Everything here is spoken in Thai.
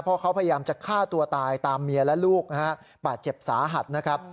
เพราะเขาพยายามจะฆ่าตัวตายตามเมียและลูกนะฮะบาดเจ็บสาหัสนะครับ